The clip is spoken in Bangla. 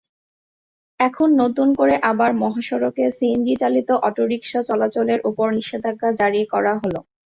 এখন নতুন করে আবার মহাসড়কে সিএনজিচালিত অটোরিকশা চলাচলের ওপর নিষেধাজ্ঞা জারি করা হলো।